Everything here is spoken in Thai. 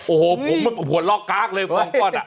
โอ้โฮผมหัวเล่ากากเลยฟองฟอด